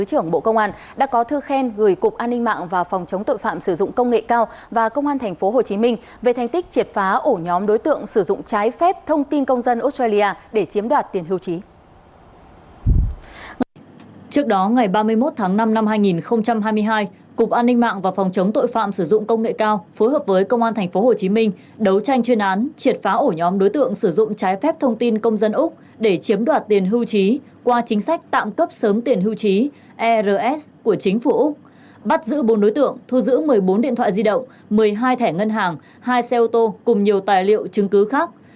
hai mươi một tháng năm năm hai nghìn hai mươi hai cục an ninh mạng và phòng chống tội phạm sử dụng công nghệ cao phối hợp với công an tp hcm đấu tranh chuyên án triệt phá ổ nhóm đối tượng sử dụng trái phép thông tin công dân úc để chiếm đoạt tiền hưu trí qua chính sách tạm cấp sớm tiền hưu trí ers của chính phủ úc bắt giữ bốn đối tượng thu giữ một mươi bốn điện thoại di động một mươi hai thẻ ngân hàng hai xe ô tô cùng nhiều tài liệu chứng cứ khác